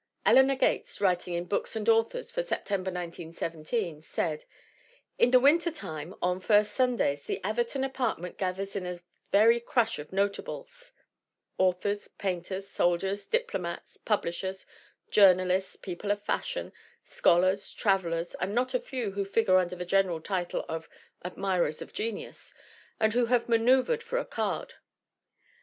Eleanor Gates, writing in Books and Authors for September, 1917, said: "In the wintertime, on 'first Sundays/ the Atherton 48 THE WOMEN WHO MAKE OUR NOVELS apartment gathers in a very crush of notables authors, painters, soldiers, diplomats, publishers, jour nalists, people of fashion, scholars, travelers and not a few who figure under the general title of 'admirers of genius/ and who have maneuvered for a card.